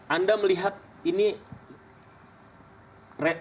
anda melihat ini mana berarti